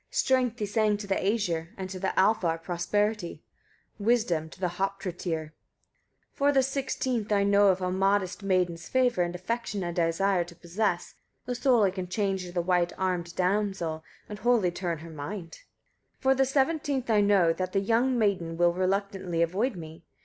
Strength he sang to the Æsir, and to the Alfar prosperity, wisdom to Hroptatyr. 163. For the sixteenth I know, if a modest maiden's favour and affection I desire to possess, the soul I change of the white armed damsel, and wholly turn her mind. 164. For the seventeenth I know, that that young maiden will reluctantly avoid me.